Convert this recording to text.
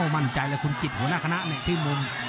มั่นใจเลยคุณจิตหัวหน้าคณะที่มุม